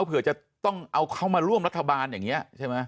เผื่อจะต้องเอาเข้ามาร่วมรัฐบาลอย่างนี้ใช่ไหม